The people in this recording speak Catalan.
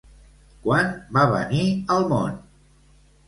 Quan va venir al món?